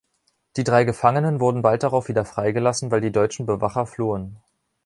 Die drei Gefangenen wurden bald darauf wieder freigelassen, weil die deutschen Bewacher flohen.